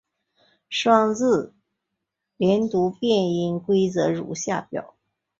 双字连读变音规则如下表。